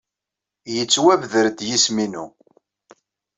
Yettwabder-d yisem-inu.